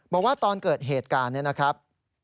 บอกว่าตอนเกิดเหตุการณ์นี้นะครับ